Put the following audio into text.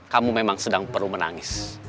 kamu memang sedang perlu menangis